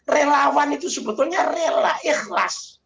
relawan itu sebetulnya rela ikhlas